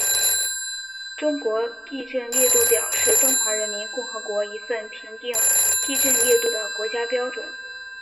中国地震烈度表是中华人民共和国一份评定地震烈度的国家标准。